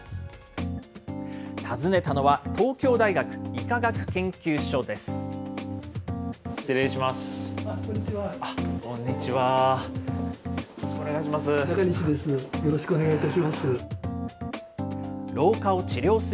訪ねたのは、東京大学医科学研究所です。